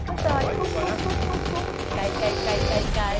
ไกล